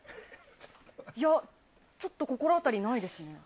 いや、ちょっと心当たりないですね。